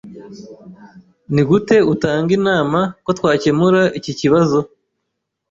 Nigute utanga inama ko twakemura iki kibazo?